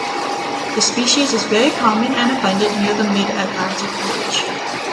The species is very common and abundant near the Mid-Atlantic Ridge.